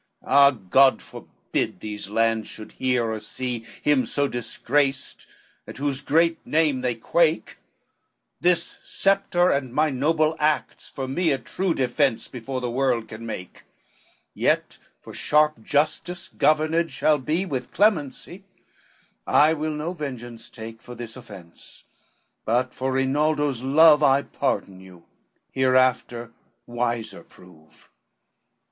LXXX "Ah, God forbid these lands should hear or see Him so disgraced at whose great name they quake; This sceptre and my noble acts for me A true defence before the world can make: Yet for sharp justice governed shall be With clemency, I will no vengeance take For this offence, but for Rinaldo's love, I pardon you, hereafter wiser prove.